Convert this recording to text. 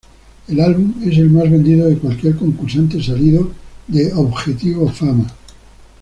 El álbum es el más vendido de cualquier concursante salido de Objetivo Fama.